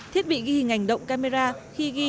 thiết bị ghi hình ảnh động camera khi ghi